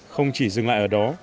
không chỉ dừng lại ở đó